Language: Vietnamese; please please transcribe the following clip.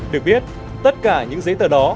được biết tất cả những giấy tờ đó